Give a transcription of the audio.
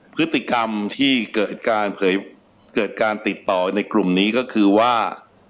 พฤติกรรมที่เกิดการติดต่อในกลุ่มนี้ก็คือว่า